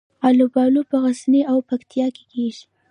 الوبالو په غزني او پکتیکا کې کیږي